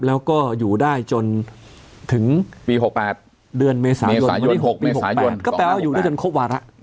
แล้วก็อยู่ได้จนถึงปี๖๘เดือนเมษายน๖ปี๖เดือนก็แปลว่าอยู่ด้วยกันครบวาระ